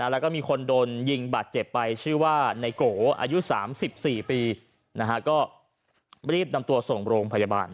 แล้วก็มีคนโดนยิงบาดเจ็บไปชื่อว่านายโกอายุ๓๔ปีก็รีบนำตัวส่งโรงพยาบาล